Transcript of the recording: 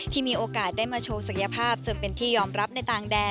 มีโอกาสได้มาโชว์ศักยภาพจนเป็นที่ยอมรับในต่างแดน